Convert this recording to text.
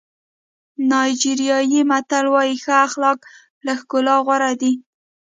نایجیریایي متل وایي ښه اخلاق له ښکلا غوره دي.